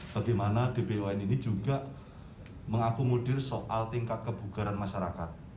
bagaimana dbon ini juga mengakomodir soal tingkat kebugaran masyarakat